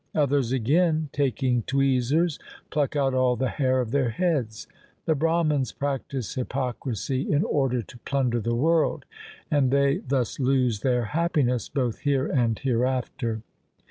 Others again, taking tweezers, pluck out all the hair of their heads. The Brahmans practise hypocrisy in order to plunder the world, and they thus lose their happi ness both here and hereafter.